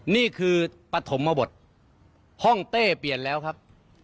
นี่คือปฐมบทห้องเต้เปลี่ยนแล้วครับ